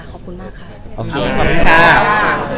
แต่เราทราบมาที่การงานเขาไหมคะ